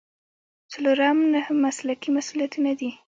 څلورم نهه مسلکي مسؤلیتونه دي.